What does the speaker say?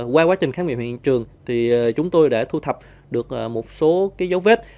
qua quá trình khám nghiệm hiện trường chúng tôi đã thu thập được một số dấu vết